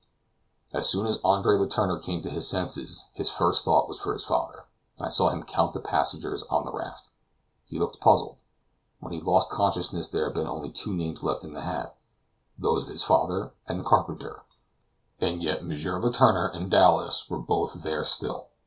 As soon as Andre Letourneur came to his senses, his first thought was for his father, and I saw him count the passengers on the raft. He looked puzzled; when he lost consciousness there had been only two names left in the hat, those of his father and the carpenter; and yet M. Letourneur and Dowlas were both there still.